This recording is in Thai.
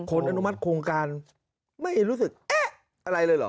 อนุมัติโครงการไม่รู้สึกเอ๊ะอะไรเลยเหรอ